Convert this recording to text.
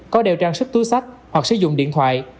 có đeo trang sức túi sách hoặc sử dụng điện thoại